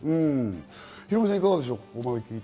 ヒロミさん、いかがでしょうか？